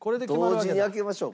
同時に開けましょうか。